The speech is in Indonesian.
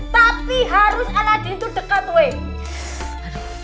tapi harus aladin itu dekat weh